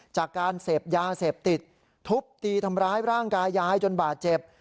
จากการเสพยาเสพติดทุบตีทำร้ายร่างกายยายจนบาดเจ็บ